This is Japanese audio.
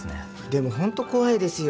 でもホント怖いですよ。